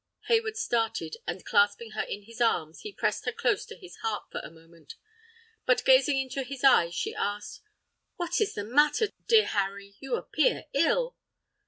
Hayward started, and clasping her in his arms, he pressed her close to his heart for a moment. But, gazing into his eyes, she asked: "What is the matter, dear Harry, you appear ill?"